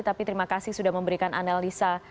tapi terima kasih sudah memberikan analisa